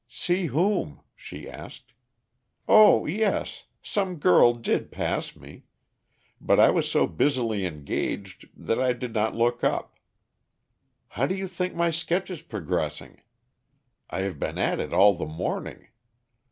"See whom?" she asked. "Oh, yes, some girl did pass me; but I was so busily engaged that I did not look up. How do you think my sketch is progressing? I have been at it all the morning.